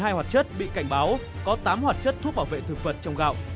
trong một mươi hai hoạt chất bị cảnh báo có tám hoạt chất thuốc bảo vệ thực vật trong gạo